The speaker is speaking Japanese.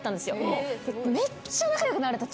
めっちゃ仲良くなれた。